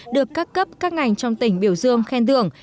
được các cấp các ngành trong tỉnh biểu dương khen thưởng